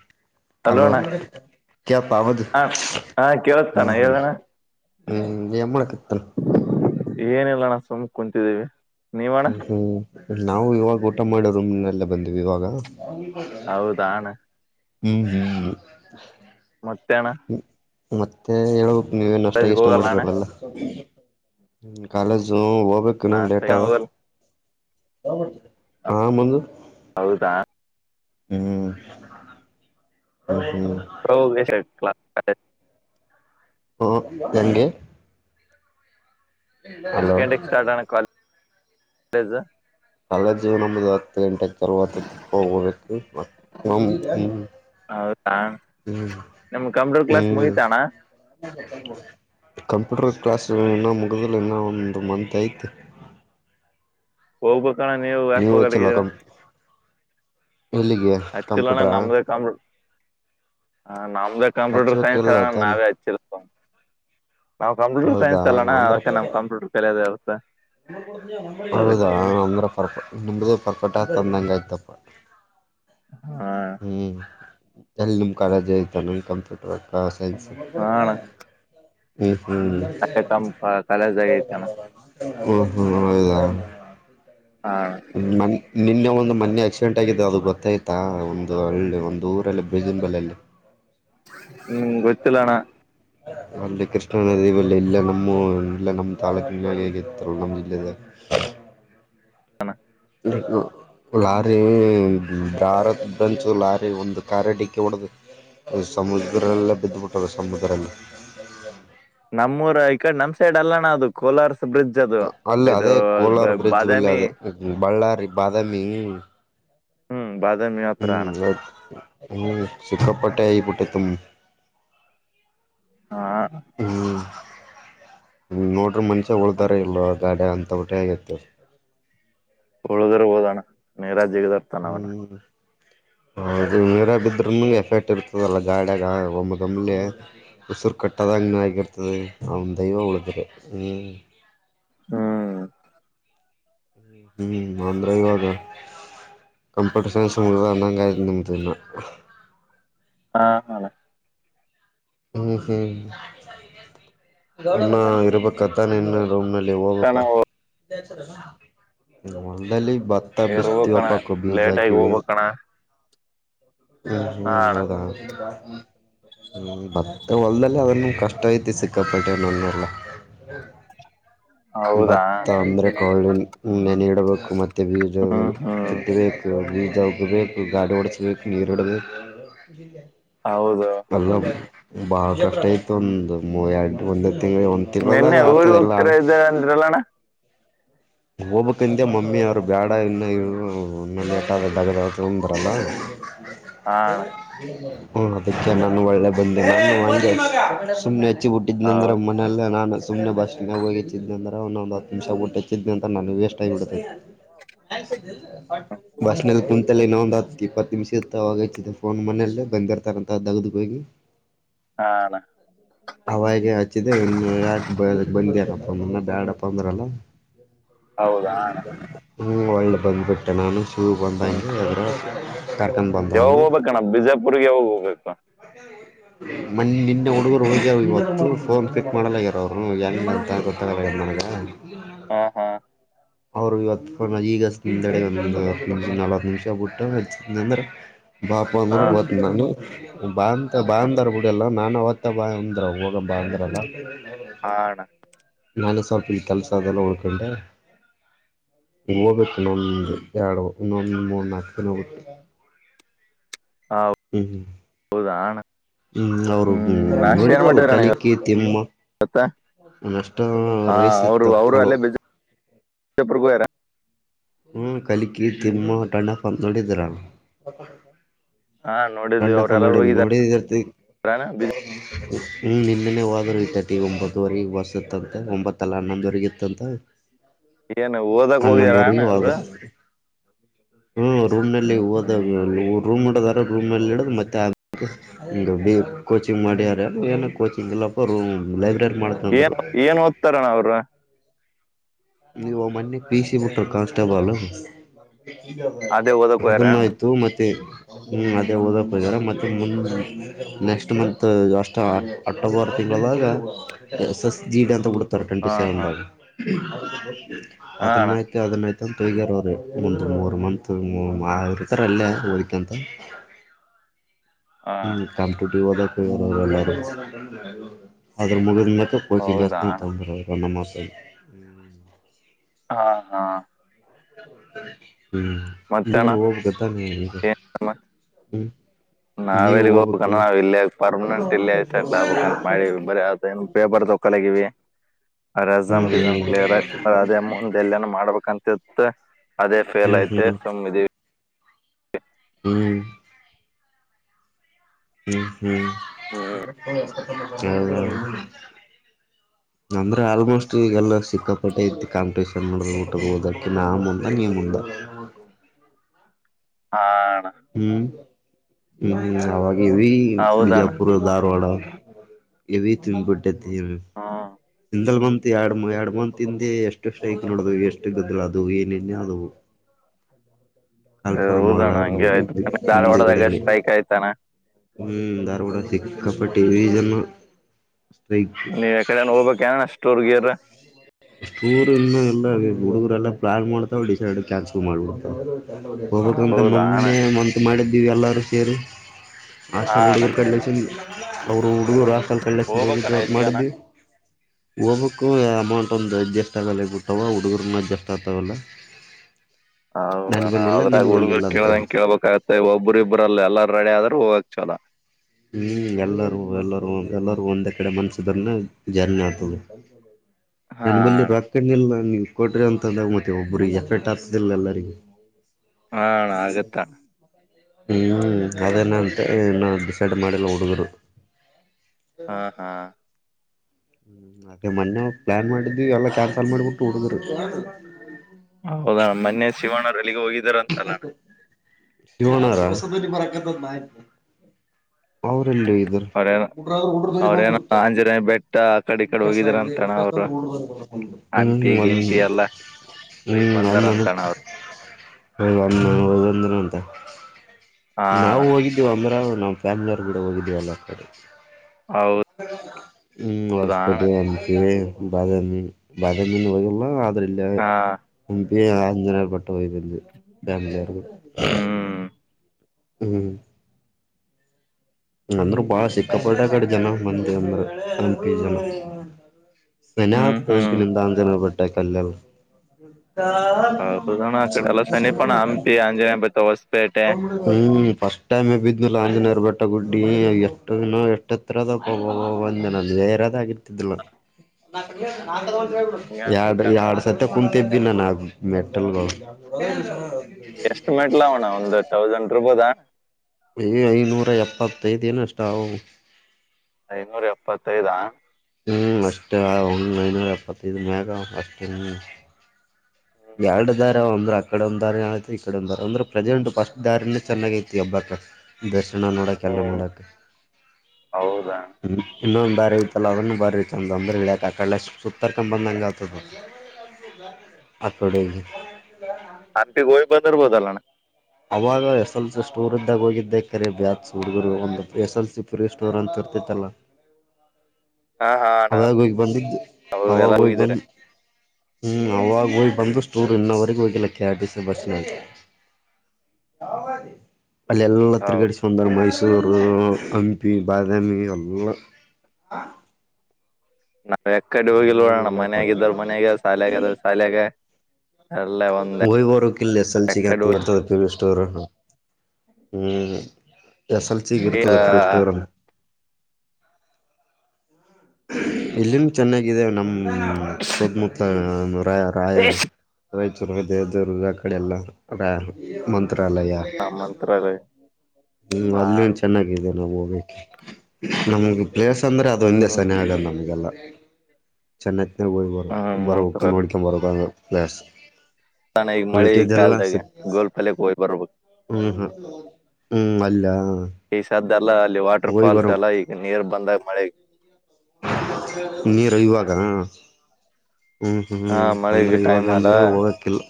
[inaudible] Hello ಹಲೋಣ್ಣ ಕೇಳ್ತಾವದು ಹ ಹಾ ಕೇಳತಣ್ಣ ಹ್ಮ್ ಹ್ಮ್ ಹೇಳಣ್ಣ. ಹ್ಮ್ ಎಮಳ ಕತ್ತನ. ಏನೆಲ್ಲ ನಾ ಸುಮ್ ಕುಂತಿದ್ದೇವಿ. ಹ್ಮ್ ನಾವು ಇವಾಗ ಊಟ ಮಾಡೋರು ಮನ್ನಲ್ಲ ಬಂದಿವವಿ ಇವಾಗ. ಹೌದಣ್ಣ. ಹ್ಮ್ ಹ್ಮ್. ಮತ್ತೆ ಅಣ್ಣ. ಮತ್ತೆ ಹೇಳ್ಬೇಕು ನೀವೇನು ಅಷ್ಟಾಗಿ ಕಾಲೇಜ್ಗೆ ಇಷ್ಟ ಹೋಗಲ್ಲ ಅಣ್ಣ ಮಾಡಿರಲ್ಲಲ್ಲ ಕಾಲೇಜು. ನಾವು ಹೋಗ್ಬೇಕು ನಾ ಕಣೋ ಲೇಟದ. ಹೋಗಲ್ಲ ಹಾ ಮಂದು. ಹೌದಾ. ಹ್ಮ್. ಹ್ಮ್ ಹ್ಮ್ಮ್. [unintelligible] ಹ್ಮ ನಂಗೆ. ಎಷ್ಟ್ ಗಂಟೆಗೆ ಸ್ಟಾರ್ಟ್ ಅಣ್ಣ ಕಾಲೇ [inaudible] ಕಾಲೇಜು. ಅಲ್ವಾ ಜೀವನ ನಮ್ದ್. ಹತ್ತು ಗಂಟೆಗೆ ತರ್ವತ ಹೋಗಬೇಕು ಮತ್ತ್ ನಮ್ದ್. [unintelligible] ಹಾ ನಿಮ್ ಕಂಪ್ಯೂಟರ್ ಕ್ಲಾಸ್ ಹ್ಮ್ ಮುಗಿತಾಣ್ಣ. ಕಂಪ್ಯೂಟರ್ ಕ್ಲಾಸ್ ಇನ್ನೂ ಮುಗಿದಲು ಇನ್ನ ಒಂದು ಮಂತ್ ಏತೇ. ಹೌಬೆಕಣ್ಣ ನೀವು ಯಾಕ್ ಹೋಗಡಿದಿರಾ. ಕಂ ಎಲ್ಲಿಗೆ ಹಚ್ಚಿಲ್ಲಣ್ಣ ಕಂಪ್ಯೂಟ್ರರ. ನಮ್ದೇ ಕಂಪ್ಯೂಟರ್ ನಮ್ದೇ ಕಂಪ್ಯೂಟರ್ ಹಚ್ಬೇಕಿಲ್ಲ ಸೈನ್ಸ್ರಣ ತಾನೆ ನಾವೇ ಹಚ್ಚಿರ್. ನಾವು ಕಂಪ್ಯೂಟರ್ ಹೌದಾ ಸೈನ್ಸ್ ಅಲ್ಲಣ ಅಂದ್ರ ಅದಕ್ಕೆ ನಮ್ದ್ ಕಂಪ್ಯೂಟರ್ ಕಲಿಯೋದೆ ಇರುತ್ತೆ. ಹೌದಾ ಅದಕ್ಕಣ ಅಂದ್ರೆ ಫರ್ಕ್. ನಮ್ದ ಪರ್ಫೆಕ್ಟ್ ಆಗ್ತಂದಂಗಯ್ತಪ್ಪ ಹಾ [inaudible] ಹ್ಮ್. ಎಲ್ಲಿ ನಿಮ್ ಕಾಲೇಜ್ ಐ್ತ ನನ್ ಕಂಪ್ಯೂಟರ್ ಅಕ್ಕ ಸೈನ್ಸ್ ಹಾ ಅಣ್ಣ ಹ್ಮ ಹ್ಮ್ ಹ ಅದೇ ಕಮ್ ಕಾಲೇಜ್ ಆಗೈತಣ್ಣ ಹ್ಮ ಹೌೌದಾ ಹಾ ನಿನ್ನೆ ಒ ಒಂದು ಮನೆೆ ಆಕ್ಸಿಡೆಂಟ್ ಆಗಿದೆ ಅದು ಗೊತ್ತಾಯ್ತಾ ಒಂದು ಹಳ್ಳಿ ಒಂದು ಊರಲ್ಲಿ ಬಜಂಬಲ್ಲ್ಲಿ ಹ್ಮ್ ಗತ್ತಲಣ ಅಲ್ಲಿ ಕೃಷ್ಣಾ ನದಿವಲ್ಲ ಇಲ್ಲ ನಮ್ಮ ಇಲ್ಲ ನಮ್ಮ್ ತಾಲೂಕಿನಿಂದ ಹೇಗಿತ್ತಲ್ಲ ನಮ್ಮ್ ಜಿಲ್ಲೆದಾಗ ಚಲ ಇ ಲಾರಿ ದಾರದ ಬಂಂತು ಲಾರಿ ಒಂದು ಕ ಡಿಕ್ಕಿ ಹೊಡ್ದ ಇ ಸಮುದ್ರಲ್ಲೇ ಬಿದ್ದುಬಿಟ್ಟರು ಸಮುದ್ರದಲ್ಲಿ ನಮ್ಮೂರ ಈ ಕಡೆ ನಮ್ ಸೈಡ್ ಅಲ್ಲಣ ಅದು ಕೋಲಾರ ಅಲ್ಲ ಅದೇ ಕೋಲಾರ ಬ್ರಿಡ್ಜ್ ಬಲ್ಲಿ ಬಾದಾಮಿ ಅದೇ ಬಳ್ಳಾರಿ ಬಾದಾಮಿ ಹ್ಮ್ ಬಾಾದಾಮ್ಯ ಮಾ ಅತ್ರಣ ಸುಖಪಟ್ಟ ಈ ಪುಟ್ಟಿ ತು ಹಾ ನೋಡ್ರಿ ಮನ್ಷ್ಯ ಉಳ್ದಾರ ಇಲ್ವ ಗಾಡಿ ಅಂತ ಬಿಿಟ್ಟೆ ಆಗಿತ್ತು ಹಳಿದರು ಹಓದೋಣ ನೇರಾಜ್ಯಗದರ್ತಾನ ಅವಣ ನೀರ ಬಿದ್ರ ಮೇಲೆ ಎಫೆಕ್ಟ್ ಇರ್ತದಲ್ಲ ಗಾಡಿಯಾಗ ಒಮ್ಮ ಉಸಿರು ಕಟ್ಟದ ತಂಗ ಆಗಿರ್ತದೆ ಅವ್ನ್ ದೈವ ಉಳಿದ್ರೆ ಹ್ಮ್ ಹ್ಮ್ ಹ್ಮ್ ಆಂಧ್ರಾಯಬಾದ ಕಂಪ್ಯೂಟರ್ ಸೈನ್ಸ್ ಮೂ ಅಂದಂಗ ಆಯ್ತು ನಿಮ್ದ ಇನ್ನು ಹಾ ಹ ಹ್ಮ್ ಹ್ಮ್ ಅನ್ನ ಇರ್ಬೇಕತ ನಿ ಇನ್ ಓಮೆಲೆ ಕಣ ಹೋಗ್ಬೇಕ ಬತ ಇರ್ಬೇಕಣ ಬಸ್ತಿಯಪಾಕ ಲೇಟ್ ಆಗಿ ಭೀಜಾಕ್ಕೆವೇ ಹೋಗ್ಬೇಕಣ ಹಾ ಅಣ್ಣ ಹಲ್ಲಾ ಹ್ಮ ಹೊಲ್ದಲ್ಲಿ ಅದನ್ನು ಕಷ್ಟ ಐತಿ ಸಿಕ್ಕಾಪಟ್ಟೇವ ನನ್ನಲ್ಲ ಹೌದಾ ಭತ್ತ ಅಂದ್ರೆ ಕಳಿಣ ನೆನ ಇಡ್ಬೇಕು ಮತ್ತುತ್ತೆ ಬೀದ ಹ್ಮ್ ಹ್ಮ್ ಚಿುತ್ತಬೇಕು ಬೀಜದ ಹಗಬೇಕು ಗಾಡು ಉಡಚ ನೀರುಡದು ಹೌದು ಅ ಬಹಳ ಕಷ್ಟ ಆಯತ ಒಂದು ಮೂ ಎರಂಟ ಒಂದ ತಿಿ ಒಂದ್ ನಿನ್ನೆ ತಿನ್ಳದಾಗ ಊರ್ ಆತದೆ ಎಲ್ಲ ಹೋಗ್ತಾರ ಇದ್ದಾರ ಅಂದ್ರಲ್ಲಣ್ಣ ಹೋಗ್ಕ್ಿಂದೆ ಮಮ್ಮಿ ಅವ್ರು ಬೇಡ ಇನ್ನ ಇರು ಇ ಲೇಾದ ಡಗದ ತಂದ ಬರಲ್ಲ ಹಾ ಸ ಅಣ್ಣ ಹ್ಮ ಅದಕ್ಕೆ ನಾನು ಒಳ್ಳೆ ಬಂದೆ ನಾನು ಸುಮಮ್ಮನೆ ಹಚ್ಚಿಬುಟ್ಟಿದ್ನಂದ್ರೆ ಹೌದು ಮನೆಯಲ್ಲ ನಾನು ಸುಮ್ಮನೆ ಬಸ್ ಹೋಗಿಚ್ಚಿದ್ದೆಂದ ಒಂದಂದು ಹತ್ತು ನಿಮಷ ಟ್ಟೆಚ್ಚಿದ್ದೆ ಅಂತ ನು ವೇಸ್ ಟೈ್ ಇಡತೈ ಬಸ್ನಲ್ಲಿ ಕುಂತಲ್ಲ ಇನ್ನೊ ಒಂದುತ್ ಇಪ್ಪತ್ತು ನಿಮಿಷ ಇರ್ತ್ತ ಅವಾಗಚ್ಚಿದ್ದ ಫೋನ್ ಮನಲ್ಲೇ ಬಂದಿರ್ತಾರಂತ ದಗ್ದಕ್ ಹೋಗಿ ಹಣ ಅವಾಗ ಹಚ್ಚಿದ್ದ ಇನ್ನು ಯಾಕೆ ಬ ಬಂದ್ಯನಪ್ಪ ನನ್ನ ಬ್ಯಾಡಪ್ಪ ಅಂದ್ರಲ್ಲ ಹೌದಾ ಅಣ್ಣ ಹ್ಮ ಒಳ್ಳೆ ಬಂದ್ಬಿಟ್ಟೆ ನಾನು ಶೂ ಹ್ಮ್ ಬಂದಂಗೆ ಅದ್ರ ಯಾವಾಗ ಹೋಗಬೇಕಣ್ಣ ಬಿಜಾಪುರ್ಗೆ ಯಾವಾಗ ಹೋಗ್ಬೇಕ ಮ ನಿನ್ನೆ ಹುಡುಗರು ಹಗ್ಯರು ಇವತ್ತು ಫೋನ್ ಫಿಕ್ ಮಾಡಲ್ಲಗರ ಅವರು ಏನು ಮಾಡಂತ ಗೊತ್ತಾಗ ನನಗೆ ಹಾ ಹಾ ಅವ್ರು ಇವತ್ತು ಈಗ ನಿೆಡೆ ಒಂದಂದು ನಿಮ ನಾಲ್ಕ ನಿಮಿಷ ಬಿಟ್ಟುಚ್ಚ ಅಂದ್ರ ಬಾಪ ಅ ಹಾ ಮ ಬತ್ ನ ಬಾಂತ ಬಾಂದಾರ ಬಿಡಿಲ್ಲ ನಾನ ಅವವತ್ತ ಬಾ ಅಂದ್ರ ಹೋಗ ಬಾಂದ್ರಲ್ಲ ಹಾ ಅಣ್ಣ ನಾಲ್ ಸಾವಪ ತಲ್ಸ ಅದೆಲ್ಲ ಉಳ್ಕೊಂಡೆ ಹೋಗಬೇಕನೊಂದ ಎರಡು ಇನ್ನೊಂದ್ ಮೂರ್ ನಾಲ್ಕು ಕಿಲೋಮಿಟರ್ ಹ ಹ ಹೌದಾ ಅಣ್ಣ [unintelligible] ಹ್ಮ್ ಅವರು ಹ್ಮ್ ನಾಷ್ಟ ಏನ್ ನಡ್ತಲ್ಲ ಮಾಡಿದ್ರ ಅಣ್ಣ ಕಲಿಕೆ ತಿಮ್ಮ ಇವತ್ತ ನಾಷ್ಟಾ ಹಾ ರೈಸ್ ಇತ್ತ ಅವ್ರು ಅವರು ಪಲಾವ ಅಲ್ಲೇ [unintelligible] ಹ್ಮ್ ಕಲಿಕಿ ತಿಮ್ಮ ಟ್ಣಪ ಅಂತ ನೋಡಿದೀರಲ್ ಹಾ ನೋಡಿದ್ವಿ ಟಂಡಪ್ಪ ಅವ್ರೆಲ್ಲಾರು ನೋಡಿ ಹೋಗಿದಾರಣ ನೋಡಿರ್ತಿ ಬಿಜಾ ಹ್ಮ್ ನಿನ್ನೆನೆ ಹೋದ್ರು ಇಐತಟ ಒಂಬತ್ತವರೆಗ ಬಸ್ ಇತ್ತಂತ ಒಂಬತ್ತಲ್ಲ ಹನ್ನೊಂದವರೆಗಿ ಇತ್ತಂತ ಏನು ಓದಕ್ ಹೋಗಿರಾ [unintelligible] ಹ್ಮ ರೂಮ್ ನಲ್ಲಿ ಹ್ಮ್ ಓದ ಹ್ಮ್ ರೂಮ್ ಹಿಡಿದಾರು ರೂಮ್ನಲ್ಲಿ ಇಡ ಮತ್ತೆ ಆ ಕೋಚಿಂಗ್ ಮಾಡಾರೆ ಏನ ಕೋಚಿಂಗ್ ಇಲ್ಲಪ್ಪೂ ಲೈಬ್ರರಿ ಏನ್ ಮಾಡ್ತಂದ್ರು ಏನ್ ಓದ್ತಾರಣ ಅವ್ರು ನೀವು ಮೋನ್ನ ಪೀ ಸಿ ಬುಟ್ಟರ್ ಕಾನ್ಸ್ಟೇಬಲ್ ಅದೇ ಓದಕ್ ಹೋಗ್ಯಾರ ಅದನ್ನ ಅಣ್ಣ ಆಯ್ತು ಮತ್ತೆ ಹ್ಮ್ ಅದೇ ಓದಕ್ ಹಾರೆ ಮತ್ತೆ ಮುಂದ ನೆಕಸ್ಟ ಮಂತ್ ಅಷ್ಟ ಅಕ್ಟೋಬರ್ ದಾಗ ಸ ಜೀಡ ಅಂತ ಬಿಡ ವೆಟಿ ಹಾ ಸೆವೆನ್ ಹಾ ಹಾ ಅದನ್ ಅಣ್ಣ ಹಾಕಿ ಅದನ್ ಹಾಕಿ ಹಗ್ಯಾರ ಅವೀ ಮುಂದ ಮೂರ್ ಮಂತ್ ಇತಾರ ಅಲ್ಲೇ ಓದ್ಕಂತ ಹಾ ಅಣ್ಣ. ಹ್ಮ್ ಕಾಂಪಿಟೂಟಿವ್ ಓದಕ್ ಹೋಗಿರಾ ಎಲ್ಲ ಅದ್ರ ಮುಗಿದ ಮ್ಯಾಲ ಕೋಚಿಂಗ್ ಹೌದಾ ಅಣ್ಣ ಕ್ಲಾಸ್ [unintelligible] ಹಾ ಹಾ [inaudible] ಹ್ಮ್ ಮತ್ತೆ ನೀ ಅಣ್ಣ ಹೋಗಬೇಕ ತಾನೇಗ ಹ್ಮ ನಾವ ಎಲ್ಲಿಗ್ ಹೋಗ್ಬೇಕಂದ ನಾವ್ ಇಲ್ಲಿಯ ಪರ್ಮನೆಂಟ್ ಇಲ್ಲಿಯ ಹ್ಮ್ ಹ್ಮ್ ಸೆಟ್ ಆಗ್ಬೇಕಂತ ಮಾಡಿ ಹ್ಮ್ ಬರಿ ಪೇಪರ್ ಲೋಕಲ್ ಆಗಿವೆ ಅಜಮ್ ಗಿಜಮ ಕ್ಲ ಅದೇ ಮುಂದ ಎಲ್ಲನ ಮಾಡ್ಬೇಕಂತಿತ್ ಅದೇ ಫೇಲ್ ಹ್ಮ್ ಆತ್ ಸಮ್ಮ ಇದಿವಿ ಹ್ಮ ಹ್ಮ್ ಹ್ಮ್ ಹ್ಮ್ ಹ್ಮ [unintelligible] ಹ ನಂದ್ರೆ ಆಲ್ಮೋಸ್ಟ್ ಈಗೆಲ್ಲ ಸಿಕ್ಕಾಪಟ್ಟೆ ಐತಿ ಕಾಂಪಿಟೇಷನ್ ಮಾಡ ಊಟ ಓದಕ್ಕೆ ನಾ ಮುಂದ ನೀ ಮುಂದೆ ಹ ಹಾ ಹ್ಮ್ ಹ್ಮ್ ಆಗ ಇ ಹೌದಣ್ಣ ಬಿಜಾಪುರ, ದಾರವಾಡ ಎ ತು ಬಟ್ಟೆತಿ ಹ್ಮ್ ಎರಡು ಎರಡು ಮಂತಿದ ಎಷ್ಟು ಸ್ಟ್ರೈಕ್ ಎಷ್ಟು ಗದ್ದಲ್ಲ ಆದು ಏನನ್ ಆದವು ಅಲ್ಪರ ಹೌದಣ್ಣ ಮೌಲಾರ ಹಂಗೆ ಆಯ್ತು ಮುಂದು ಧಾರವಾಡದಾಗ ಕಡೆಯಲ್ಲಿ ಸ್ಟ್ರೈಕ್ ಆಯ್ತಣ್ಣ ಹ್ಮ ದಾರವಾಡ ಸಿಕ್ಕಪ್ಪ [unintelligible] ನೀವ್ ಎಕಡನ್ ಹೋಗ್ಬೇಕಕ್ ಏ ಸ್ಟೋರ್ ಗಿರ್ ಟೂರ್ ಇನ್ನು ಎಲ್ಲ ಹುಡುಗರೆ ಎಲ್ಲಾ ಪ್ಲಾನ್ ಮಾಡ್ತಾವ ಡಿಸೈಡ್ ಕ್ಯಾನ್ಸಲ್ ಮಾಡಿಬಿಡ್ತಾವ ಹೋಗ್ಕ್ಂತ ಹೌದಾ ಅಣ್ಣ ಮೊನ್ನೆ ಮಂತು ಮಾಡಿದ್ದೀವಿ ಎಲ್ಲರೂ ಸೇರಿ [unintelligible] [inaudible] ಹಾ ಅಣ್ಣ ರಾಕಲ್ ಕ ಹೋಗ ದೋ ಹೋಗ್ಬೇಕಣ್ಣ ಎಲ್ಲಿಗಣ ಮಾಡಿದ್ವಿ ಹೋಗಬಕ್ಕು ಅಮೌಂಟ್ ಒಂದು ಅಡ್ಜಸ್ಟ್ ಆಗಲ್ಲ ಬಿಟ್ಟವ ಹುಡುಗರ್ನ ಅಡ್ಜಸ್ಟ್ ಆಗ್ತವಲ್ಲ ಹೌಣದ್ರಾಗ ಹುಡುಗ ಅಂತ ಕೇಳಂಗ ಕೇಳ್ಬೇಕಾಗತ್ತೆ ಒಬ್ಬ್ರ ಇಬ್ಬ್ರಲ್ಲ ಎಲ್ಲಾರ ರೆಡಿ ಆದ್ರೆ ಹೋಗಕ ಚಲೋ ಹ್ಮ್ ಎಲ್ಲಾರೂ ಎಲ್ಲರೂ ಎಲ್ಲರೂ ಒಂದೇ ಕಡೆ ಮನ್ಸಿದ್ರನ ಜರ್ನಿ ಆಗ್ತದೆ ಹಾ ದನ ಬಲ್ಲಿ ಅಣ್ಣ ರಾಕ್ ಕಣ್ಣ ಎಲ್ಲ ನಿ ಕೊಟ್ರಿ ಅಂತೂ ಮತ್ತೆ ಒಬ್ಬ್ರಿಗೆ ಎಫೆಕ್ಟ್ ಆಗ್ತದಿಲ್ಲ ಎಲ್ಲರಿಗೆ ಹಾ ಅಣ್ಣ ಆಗತ್ತ ಅಣ್ಣ ಹ್ಮ ಅದೇನಂತೆ ಇನ್ನು ಡಿಸೈಡ್ ಮಾಡಿಲ್ಲ ಹುಡುಗ್ರು ಹಾ ಹಾ ಹ್ಮ ಅದೇ ಮೊನ್ನೆ ಪ್ಲಾನ್ ಮಾಡಿದ್ದ್ವಿ ಎಲ್ಲಾ ಕ್ಯಾನ್ಸಲ್ ಮಾಡಿಬಿಟ್ಟು ಹುಡುಗರು ಹೌದಣ್ಣ ಮೊನ್ನೆ ಶಿವಣರು ಎಲ್ಲಿಗೋ ಹೋಗಿದಾರ ಅಂತಲ್ಲಣ್ಣ ಇವನ್ಯಾರು [unintelligible] ಹ ಅವ್ರೇನ ಅವ್ರೇನ ಆಂಜನೇಯ ಬೆಟ್ಟ ಆ ಕಡೆ ಈ ಕಡೆ ಹೋಗಿದರ ಅಂತಣ್ಣ ಅವರು ಹ್ಮ್ ಹ್ಮ್ ಹೋಗಿ ಬಂದಾರ ಹ್ಮ್ ಅಂತಣ ಅವ್ರು [unintelligible] ಹದಂದ ಅಂತ ಹಾ ಅಣ್ಣ ನಾವು ಹೋಗಿದ್ದ್ವಿ ಅಮರಾವತಿ ನಮ್ಮ ಫ್ಯಾಮಿಲಿ ಅವ್ರ ಕೂಡ ಹೋಗಿದ್ದೀವಿ ಎಲ್ಲಾ ಕಡೆ ಹೌದಾ ಹ್ಮ್ ಅಣ್ಣ ಹೊಸ್ಪೇಟೆ ಅಂತೇ ಬದಾಮೀ ಬದಾಮೀನ್ ಹೋಗಿಲ್ಲ ಆದರ ಇಲ್ಲ ಹಾ ಹಂಪಿ ಆಂಜನೇಯ ಬೆಟ್ಟ [unintelligible] ಫ್ಯಾಮಿಲಿ [unintelligible] ಹ್ಮ್ ಹ್ಮ್ ಅಂದ್ರು ಬಾಳ ಸಿಕ್ಕಾಪಟ್ಟ ಕಡೆ ಜನ ಮಂದಿ ಅಂದ್ರಂಪಿ ಜನ ನೆನ್ನೆ ಹ್ಮ್ ಅತ್ತ ಹ್ಮ್ ಎಂತಾವ ಪಟ್ಟೆ ಕಲ್ಲಲ್ ಹೌದಣ್ಣ ಆ ಕಡೆ ಎಲ್ಲ ಸಮೀಪಣ ಹಂಪಿ ಆಂಜನೇಯ ಬೆಟ್ಟ ಹೊಸಪೇಟೆ ಹ್ಮ್ ಟೈಮ್ ಬಿದ್ನು ಲ ಆಂಜನೇಯರ್ ಬೆಟ್ಟ ಗುಡ್ಡಿ ಎಷ್ಟು ಎಷ್ಟ ಹತ್ರದಬ ಬಂದ ನ ಅಲ್ಲೇ ಇರದ್ ಆಗಿರ್ತಿದಿಲ್ಲ ಹಂಗ ಎರಡ್ ಅನ್ಸುತ್ತಣ್ಣ ಎರಡ್ ಅದು ಸತಿ ಕುಂತಿದ್ನಿ ದು ನಾನ ಮೆಟ್ಟಲ್ಗಳು ಎಷ್ಟ ಮೆಟ್ಲು ಅವಣ ಒಂದು ತೌಸಂಡ್ ಇರುಬೋದಾ ಏ್ ಐನೂರ ಎಪ್ಪತ್ತೈದ ಏನಷ್ಟ ಅವೇ ಅವು ಐನೂರ ಎಪ್ಪತ್ತೈದಾ ಹ್ಮ್ ಅಷ್ಟೇ ಒಂದು ಐನೂರ ಎಪ್ಪತ್ತೈದು್ ಮ್ಯಾಗ ಅವೇ ಎರಡ್ ದಾರ ಅಂದ್ರೆ ಅಕಡೆ ಒಂದ ದಾರಿಐತಿ ಈಕಡೆ ಒಂದ ದಾರ ಅಂದ್ರೆ ಪ್ರೆಸೆಂಟ್ ಫಸ್ಟ್ ಇಂದ ಚೆನ್ನಾಗ ಐತಿ ದರ್ಶನ ನೋಡಕೆಲ್ಲ ಹ್ಮ್ ನೋಡಾಕ ಹೌದಾ ಹ್ಮ ಇನ್ನೊಂದು ಬಾರಿ ಐತಲ್ಲ ಅದನ್ನು ಬಾರಿ ಐತ ಅಂತಂದ್ರೆ ಲೆಕ್ಕಾಕಾಳ ಎಷ್ಟು ಸುತ್ತರ್ಕೊಂಬಂದ ಹಂಗೆ ಆತದೇ ಆಕಡೇ ಅಂಗಡಿ ಹೋಗಿ ಬಂದಿರ್ಬೋದಲ್ಲಣ್ಣ ಅವಾಗ ಎಸ್ ಎಲ್ ಸಿ ಸ್ಟೋರ್ ಇದ್ದಾಗ ಹೋಗಿದ್ದೆ ಕರೆ ಬ್ಯಾಸ್ ಹುಡುಗರು ಒಂದು S L C pre store ಅಂತ ತಲ್ಲ ಹ ಅವಾಗ ಹೋಗ್ ಬಂದಿದ್ದು ಅವ್ರು ಅವಾಗ ಎಲ್ಲ ಹೋಗ್ ಹೋಗಿದಾರೆ ಬಂದ್ ಹ್ಮ್ ಅವಾಗ ಹೋಗ್ ಬಂದ ಸ್ಟೂರ್ ಇನ್ನವರೆಗ ಹೋಗಿಲ್ಲ K R T C bus ನಾಗ ಅಲ್ಲಿ ಎಲ್ಲ ಹೌದು ತಿರುಗಾಡಿ [unintelligible] ಮಹಷೂ ಚೂರು ಹಂಪಿ ಬಾದಾಮಿ ಎಲ್ಲಾ ನಾವ್ ಏತ್ಕಡೆ ಪಟ್ಟ ಹೋಗಿಲಲ್ಲಣ್ಣಮನ್ಯಾಗಿದ್ದ್ರ ಮನ್ಯಾಗ ಶಾಲೆಗಿದ್ದವರು ಶಾಲೆಯಾಗೆ ಹೋಗಿ ಬರುಕಲ್ಲ ಎಸೆಸೆಲ್ಸಿ ಎಕ್ಕಡ ಕುರ್ತದೆ [unintelligible] ಹ್ಮ ಎಸ್ ಎಲ್ ಸಿ ಗೆ ಇರ್ತದೆ [unintelligible] ಇಲ್ಲಿನ್ ಚೆನ್ನಾಗಿದೆ ನಮ ಹ್ಮ ಸುತ್ತಮುತ್ತ ರ ರಾಯರು [unintelligible] ಕಡೆ ಎಲ್ಲ ಮಂತ್ರಾಲಯ ಹ ಮಂತ್ರಾಲಯ ಹ್ಮ ಅಲ್ಲಿಯೂ ಚೆನ್ನಾಗಿದೆ ನಾವ ಹೋಗ್ಬೇಕ ನಮಗೆ ಪ್ಲೇಸ್ ಅಂದ್ರೆ ಅದು ಹ್ಮ್ ಒಂದೆ ಹ್ಮ್ ಆ ನಮಗೆಲ್ಲ ಚೆನ್ನೈತನ ಹೋಗಿ ಬರ ಹ್ಮ್ ಬರಬೇಕು ಮಂತ್ರಾಲಯ ನೋಡ್ಕೊ ಬರ ಸ್ ತಾನ ಈಗ ಮಳೆ ಈಗ ಕಲ್ದಾಗೆ ಗೋಲ್ ಕಾಲಕ್ಕೆ ಹೋಗ್ ಬರ್ಬೇಕು ಹ್ಮ್ ಹ್ಮ ಹ್ಮ್ ಅಲ್ಲ ಈಗ ಸದ್ದ ಎಲ್ಲ ಅಲ್ಲಿ ಹೋಗಿ ವಾಟರ್ಫಾಲ್ಸ್ ಎಲ್ಲ ಬರಬೇಕು ಈಗ ನೀರ್ ಬಂದಾಗ ಮಳೆ ನೀರು ಇವಾಗ ಹ್ಮ್ ಹ್ಮ್ ಹ ಹ್ಮ್ ಅಂದ್ರೆ ಮಳೆಗೆ ಟೈಮ್ ಅಲ್ಲ ಇವಾಗಂದ್ರೆ ಹೋಗಕಿಲ್ಲ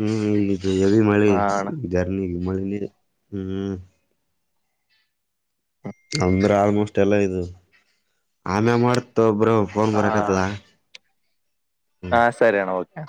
ಹ್ಮ್ ಯವಿ ಮಳೆ ಹಾ ಅಣ್ಣ ಜರ್ನಿ ಮಳೆ ಹ್ಮ್ ಅಂದ್ರೆ ಆಲ್ಮೋಸ್ಟ್ ಎಲ್ಲಾ ಇದು ಆಮೇಲ್ ಮಾಡ್ತೀನಿ ತ ಬ್ರೋ ಫೋನ್ ಹಾ ಅಣ್ಣ ಬರಕ್ಕತದಾ ಹಾ ಸರಿಯಣ್ಣ ಓಕೆ